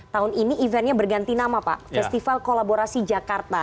tahun ini eventnya berganti nama pak festival kolaborasi jakarta